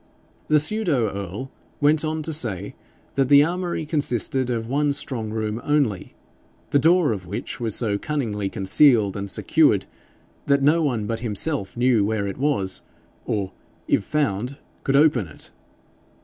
The pseudo earl went on to say that the armoury consisted of one strong room only, the door of which was so cunningly concealed and secured that no one but himself knew where it was, or if found could open it.